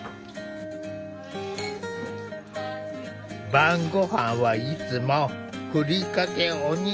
晩ごはんはいつもふりかけお握り。